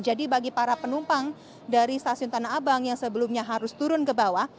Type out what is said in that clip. jadi bagi para penumpang dari stasiun tanah abang yang sebelumnya harus turun ke bawah